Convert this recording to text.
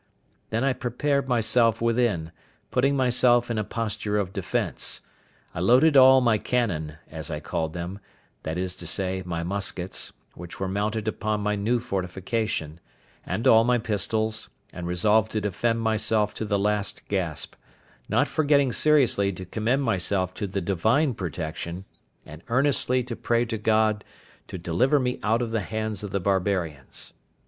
Then I prepared myself within, putting myself in a posture of defence. I loaded all my cannon, as I called them—that is to say, my muskets, which were mounted upon my new fortification—and all my pistols, and resolved to defend myself to the last gasp—not forgetting seriously to commend myself to the Divine protection, and earnestly to pray to God to deliver me out of the hands of the barbarians.